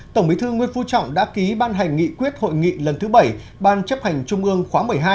tổng bí thư nguyễn phú trọng đã ký ban hành nghị quyết hội nghị lần thứ bảy ban chấp hành trung ương khóa một mươi hai